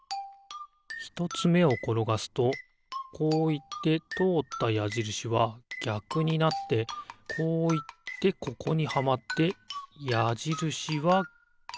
ひとつめをころがすとこういってとおったやじるしはぎゃくになってこういってここにはまってやじるしはぎゃくになる。